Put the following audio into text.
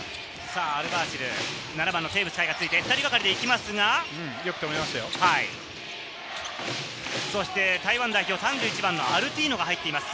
アルバーシル、テーブス海がついて２人がかりでいきますが、台湾代表、３１番のアルティーノが入っています。